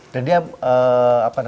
jadi apa yang kamu lakukan